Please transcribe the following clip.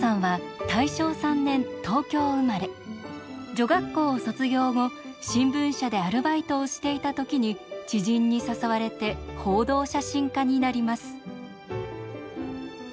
女学校を卒業後新聞社でアルバイトをしていた時に知人に誘われて報道写真家になります。